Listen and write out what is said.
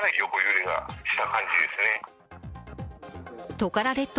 トカラ列島